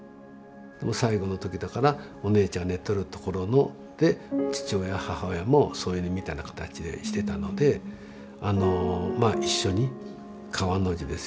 最期の時だからお姉ちゃん寝とる所で父親母親も添い寝みたいな形でしてたのであのまあ一緒に川の字ですよね。